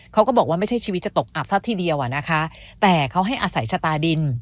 เขาก็บอกว่าไม่ใช่ชีวิตจะตกอับซะทีเดียวอ่ะนะคะแต่เขาให้อาศัยชะตาดิน